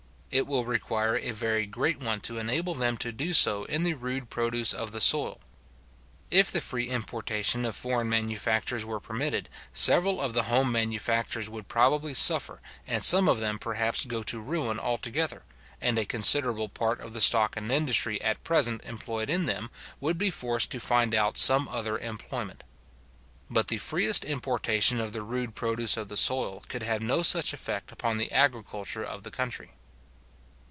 It will require a very great one to enable them to do so in the rude produce of the soil. If the free importation of foreign manufactures were permitted, several of the home manufactures would probably suffer, and some of them perhaps go to ruin altogether, and a considerable part of the stock and industry at present employed in them, would be forced to find out some other employment. But the freest importation of the rude produce of the soil could have no such effect upon the agriculture of the country.